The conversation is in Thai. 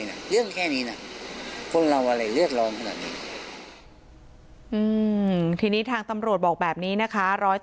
เมื่อนบ้างก็ยืนยันว่ามันเป็นแบบนั้นจริง